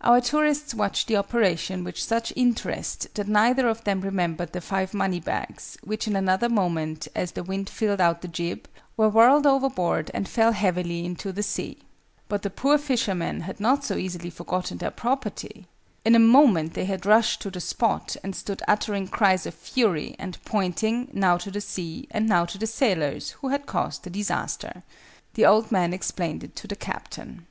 Our tourists watched the operation with such interest that neither of them remembered the five money bags, which in another moment, as the wind filled out the jib, were whirled overboard and fell heavily into the sea. But the poor fishermen had not so easily forgotten their property. In a moment they had rushed to the spot, and stood uttering cries of fury, and pointing, now to the sea, and now to the sailors who had caused the disaster. The old man explained it to the Captain.